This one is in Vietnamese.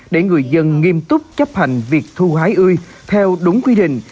để người dân nghiêm túc chấp hành việc thu hái ươi theo đúng quy định